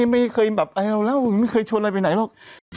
ไม่เคยแบบให้เราเล่าไม่เคยชวนอะไรไปไหนหรอก